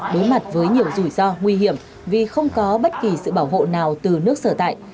đối mặt với nhiều rủi ro nguy hiểm vì không có bất kỳ sự bảo hộ nào từ nước sở tại